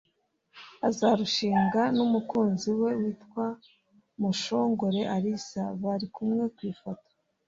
Azarushingana n’umukunzi we witwa Mushongore Alice (bari kumwe ku ifoto)